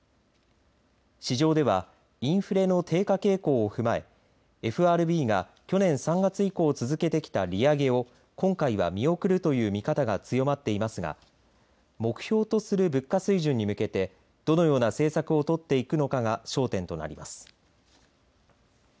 市場ではインフレの低下傾向を踏まえＦＲＢが去年３月以降続けてきた利上げを今回は見送るという見方が強まっていますが目標とする物価水準に向けてどのような政策を取っていくのかが焦点となります。